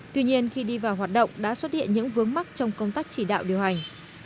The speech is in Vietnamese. tuy nhiên khi đi vào hoạt động đã xuất hiện những vướng mắt trong công tác chỉ đạo điều hành